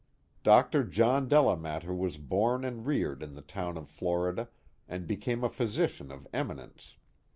Dr. John Delamater was born and reared in the town of Florida, and became a physician of eminence.